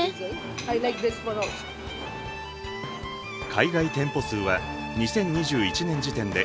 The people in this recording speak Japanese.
海外店舗数は２０２１年時点で１８７。